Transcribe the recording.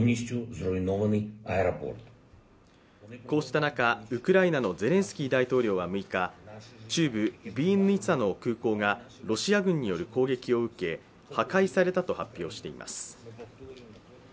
こうした中、ウクライナのゼレンスキー大統領は６日中部ヴィーンヌィツャの空港が、ロシア軍による攻撃を受け破壊されたと発表しています。